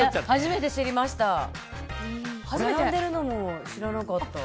初めて知りました。